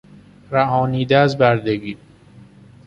رهانیده از بردگی